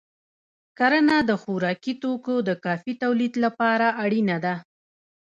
کرنه د خوراکي توکو د کافی تولید لپاره اړینه ده.